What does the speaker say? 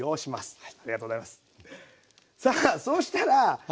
はい。